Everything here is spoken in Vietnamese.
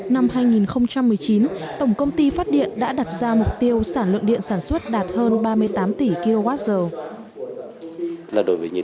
năm hai nghìn một mươi chín tổng công ty phát điện đã đặt ra mục tiêu sản lượng điện sản xuất đạt hơn ba mươi tám tỷ kwh